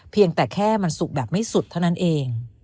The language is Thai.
เพียงแต่แค่มันสุกแบบไม่สุดเท่านั้นเอง